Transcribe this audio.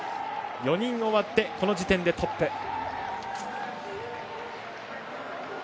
４人終わってこの時点でトップ。